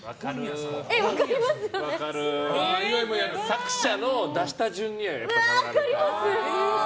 作者の出した順に並べる。